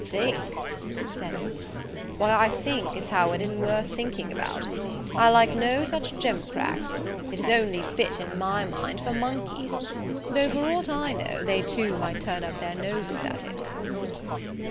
"Think! "said he, "why I think as how it i'n't worth thinking about. I like no such jemcracks. It is only fit, in my mind, for monkeys: though, for aught I know, they too might turn up their noses at it."